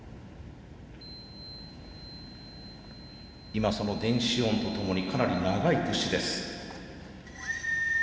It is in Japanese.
今その電子音とともにかなり長いプッシュです。